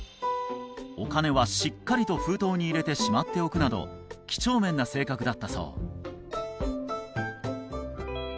お金はしっかりと封筒に入れてしまっておくなどきちょうめんな性格だったそう